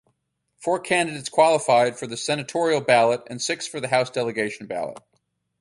Four candidates qualified for the senatorial ballot and six for the House delegation ballot.